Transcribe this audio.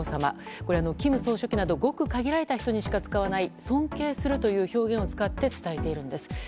これは金総書記などごく限られた人にしか使わない尊敬するという表現を使って伝えているんです。